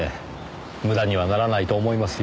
無駄にはならないと思いますよ。